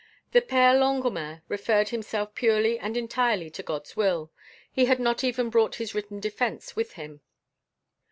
The Père Longuemare referred himself purely and entirely to God's will. He had not even brought his written defence with him.